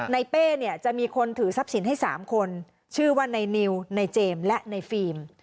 เป้เนี่ยจะมีคนถือทรัพย์สินให้๓คนชื่อว่าในนิวในเจมส์และในฟิล์ม